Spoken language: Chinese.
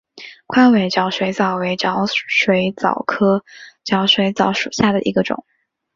宽尾角水蚤为角水蚤科角水蚤属下的一个种。